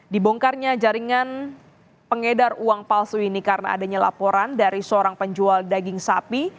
dibongkarnya jaringan pengedar uang palsu ini karena adanya laporan dari seorang penjual daging sapi